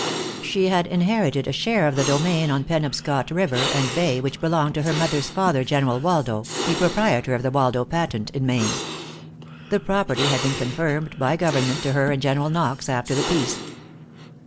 She had inherited a share of the domain on Penobscot River and Bay which belonged to her mother's father, General Waldo, the proprietor of the Waldo patent in Maine. The property had been confirmed by government to her and General Knox after the peace.